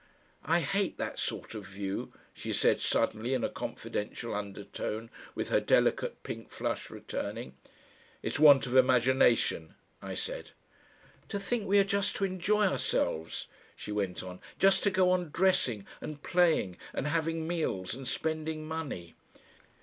"I HATE that sort of view," she said suddenly in a confidential undertone, with her delicate pink flush returning. "It's want of imagination," I said. "To think we are just to enjoy ourselves," she went on; "just to go on dressing and playing and having meals and spending money!"